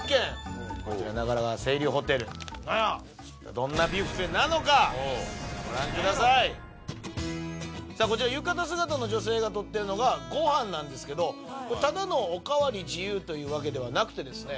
どんなビュッフェなのかご覧くださいさあこちら浴衣姿の女性が取ってるのがごはんなんですけどただのおかわり自由というわけではなくてですね